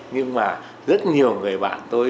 nhưng mà rất nhiều người bạn tôi